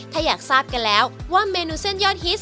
ถ้าอยากทราบกันแล้วว่าเมนูเส้นยอดฮิต